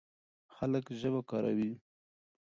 خلک ژبه کاروي.